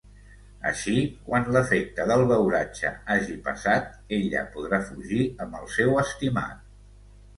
Així, quan l'efecte del beuratge hagi passat, ella podrà fugir amb el seu estimat.